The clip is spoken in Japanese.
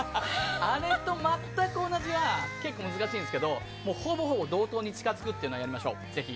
あれと全く同じは結構難しいですけどほぼほぼ同等に近づくのはやりましょう、ぜひ。